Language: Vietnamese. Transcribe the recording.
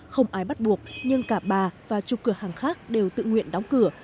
không ai bắt buộc nhưng cả bà và chục cửa hàng khác đều tự nguyện đóng cửa